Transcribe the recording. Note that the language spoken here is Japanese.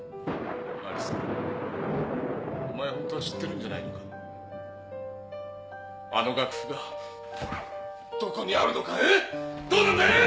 亜理沙お前ホントは知ってるんじゃないのかあの楽譜がどこにあるのかえ⁉